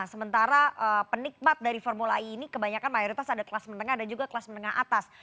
sementara penikmat dari formula e ini kebanyakan mayoritas ada kelas menengah dan juga kelas menengah atas